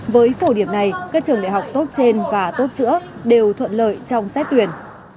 với phổ điểm này các trường đại học tốt trên và tốt giữa đều thuận lợi trong xét tuyển